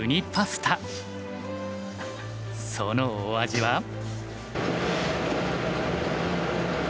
そのお味は？